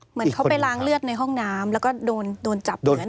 เหมือนเขาไปล้างเลือดในห้องน้ำแล้วก็โดนจับอย่างนั้น